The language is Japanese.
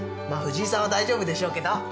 まあ藤井さんは大丈夫でしょうけど。